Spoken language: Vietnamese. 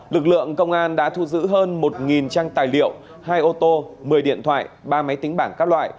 lực lượng công an đã thu giữ hơn một trang tài liệu hai ô tô một mươi điện thoại ba máy tính bảng các loại